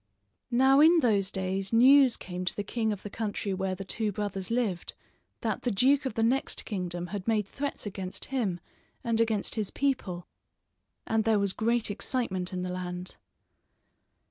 Now in those days news came to the king of the country where the two brothers lived that the duke of the next kingdom had made threats against him, and against his people; and there was great excitement in the land.